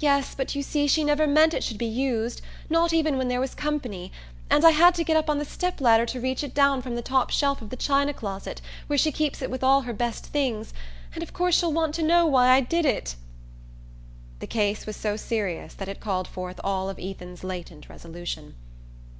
"Yes, but, you see, she never meant it should be used, not even when there was company; and I had to get up on the step ladder to reach it down from the top shelf of the china closet, where she keeps it with all her best things, and of course she'll want to know why I did it " The case was so serious that it called forth all of Ethan's latent resolution.